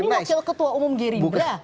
ini wakil ketua umum diri juga